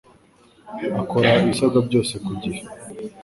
Akora ibisabwa byose kugihe